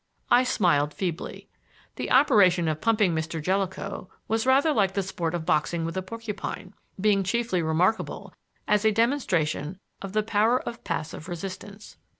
I smiled feebly. The operation of pumping Mr. Jellicoe was rather like the sport of boxing with a porcupine, being chiefly remarkable as a demonstration of the power of passive resistance.